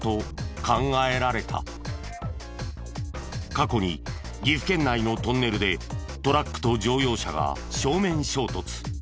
過去に岐阜県内のトンネルでトラックと乗用車が正面衝突。